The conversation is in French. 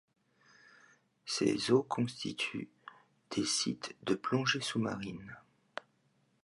Ses eaux constituent des sites de plongée sous-marine.